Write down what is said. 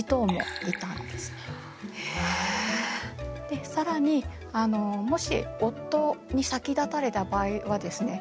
で更にもし夫に先立たれた場合はですね